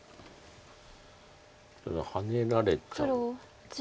これはハネられちゃう。